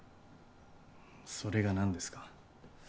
それが何ですか？